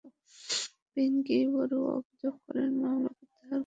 পিংকি বড়ুয়া অভিযোগ করেন, মামলা প্রত্যাহারের জন্য স্বামী তাঁকে নানাভাবে ভয়ভীতি দেখাচ্ছেন।